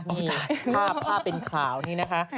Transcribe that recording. นี่ภาพปินขาวนี่นะคะ